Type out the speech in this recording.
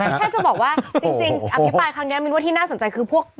แค่จะบอกว่าจริงอภิปรายครั้งนี้มินว่าที่น่าสนใจคือพวก